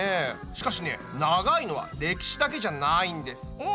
しかしね長いのは歴史だけじゃないんです。